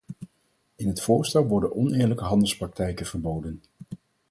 In het voorstel worden oneerlijke handelspraktijken verboden.